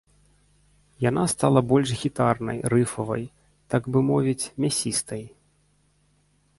Яна стала больш гітарнай, рыфавай, так бы мовіць, мясістай.